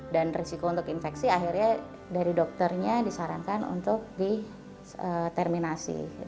dan risiko untuk infeksi akhirnya dari dokternya disarankan untuk diterminasi